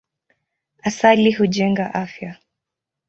Asali hujenga afya.